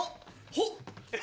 ほっ！